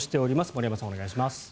森山さん、お願いします。